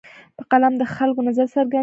په قلم د خلکو نظر څرګندېږي.